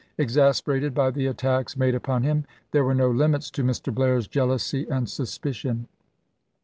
Exasperated by the attacks made upon him, there were no limits to Mr. Blair's jealousy and suspicion.